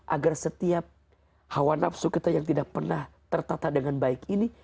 agar setiap hawa nafsu kita yang tidak pernah tertata dengan baik ini